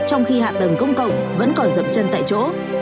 trong khi hạ tầng công cộng vẫn còn dậm chân tại chỗ